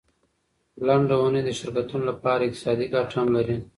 لنډه اونۍ د شرکتونو لپاره اقتصادي ګټه هم لري.